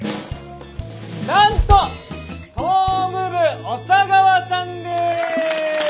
なんと総務部小佐川さんです。